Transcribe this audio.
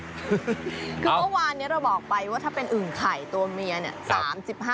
คือเมื่อวานนี้เราบอกไปว่าถ้าเป็นอึ่งไข่ตัวเมียเนี่ย